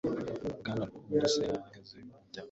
Bwana rukundo s ahagaze kumuryango